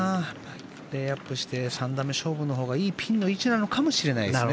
レイアップして３打目勝負のほうがいいピンの位置かもしれないですね。